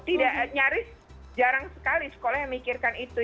tidak nyaris jarang sekali sekolah yang mikirkan itu